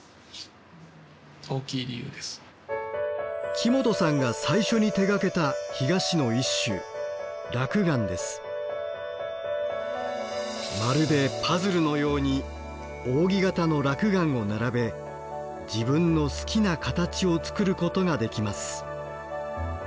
木本さんが最初に手がけた干菓子の一種まるでパズルのように扇形の落雁を並べ自分の好きな形を作ることができます。